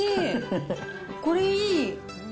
これいい。